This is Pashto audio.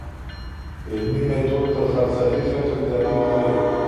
علمي ميتود تر فلسفي فکر دقيق دی.